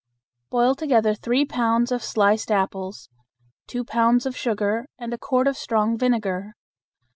Boil together three pounds of sliced apples, two pounds of sugar, and a quart of strong vinegar.